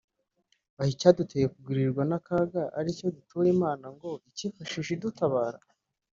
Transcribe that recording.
aho icyaduteye kugwiririrwa n’akaga ari cyo dutura Imana ngo ikifashishe idutabara